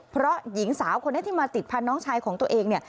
เพราะหญิงสาวคนที่มาติดพันธุ์น้องชายของตัวเอง